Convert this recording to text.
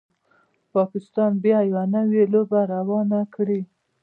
پاکستان بیا یوه نوي لوبه روانه کړي